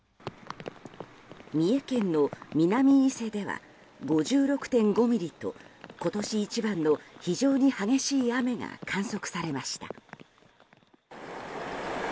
三重県の南伊勢では５６．５ミリと今年一番の非常に激しい雨が観測されました。